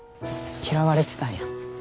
嫌われてたんや。